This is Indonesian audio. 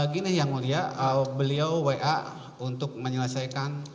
gini yang mulia beliau wa untuk menyelesaikan